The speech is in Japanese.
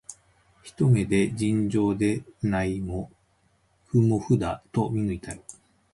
ひと目で、尋常でないもふもふだと見抜いたよ